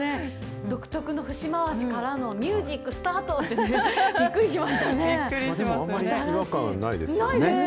独特の節回しからの、ミュージックスタート！ってね、びっくりしましたね。